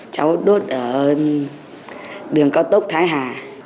cháu đốt ở đường cao tốc thái hà